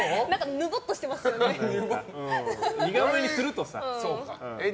似顔絵にするとさ。